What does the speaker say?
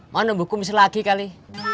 mau nunggu kumis lagi kali